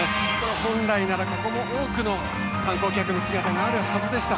本来ならここも多くの観光客の姿があるはずでした。